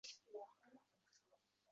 Oradan uch yil o`tdi